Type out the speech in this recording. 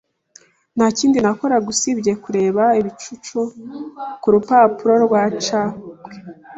Nta kindi nakoraga usibye kureba ibicucu kurupapuro rwacapwe.